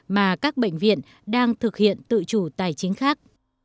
mà các bệnh viện đang thực hiện tự chủ tài chính khác